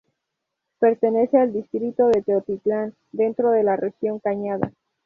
Pertenece al distrito de Teotitlán, dentro de la región cañada.